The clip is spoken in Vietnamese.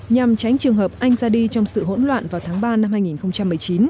nhằm tránh trường hợp anh ra đi trong sự hỗn loạn vào tháng ba năm hai nghìn một mươi chín